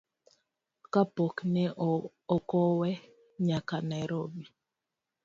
Kapok ne okowe nyaka Nairobi.